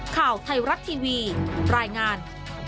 ข่าวไทยรัฐทีวีรายงาน